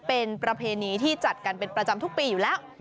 เป็นประเพณีที่จัดกันเป็นประจำทุกปีอยู่แล้ว